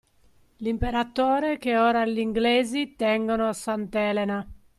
L’Imperatore che ora gl’inglesi tengono a Sant’Elena